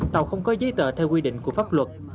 tàu không có giấy tờ theo quy định của pháp luật